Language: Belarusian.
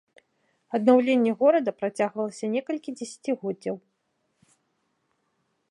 Аднаўленне горада працягвалася некалькі дзесяцігоддзяў.